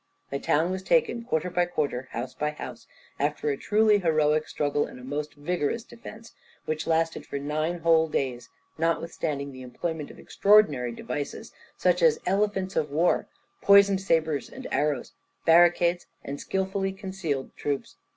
The town was taken quarter by quarter, house by house, after a truly heroic struggle and a most vigorous defence, which lasted for nine whole days, notwithstanding the employment of extraordinary devices, such as elephants of war, poisoned sabres and arrows, barricades, and skilfully concealed troops.